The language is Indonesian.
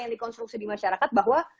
yang di konstruksi di masyarakat bahwa